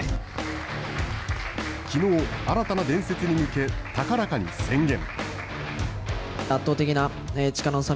きのう、新たな伝説に向け、高らかに宣言。